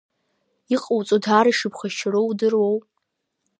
Иҟоуҵо даара ишԥхашьароу удыруоу?